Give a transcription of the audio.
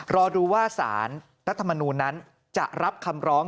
รอดูว่าสารรัฐมนูลนั้นจะรับคำร้อง